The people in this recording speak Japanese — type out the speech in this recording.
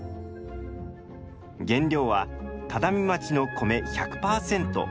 原料は只見町の米１００％。